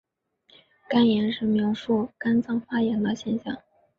肝炎是描述肝脏发炎的现象。